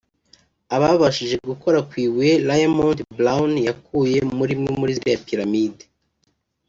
Ababashije gukora ku ibuye Raymond Brown yakuye muri imwe muri ziriya Pyramides